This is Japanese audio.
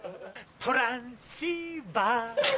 トランシーバー！